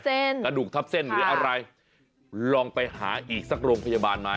กระดูกทับเส้นหรืออะไรลองไปหาอีกสักโรงพยาบาลไหม